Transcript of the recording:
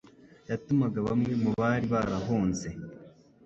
Yatumaga bamwe mu bari barahunze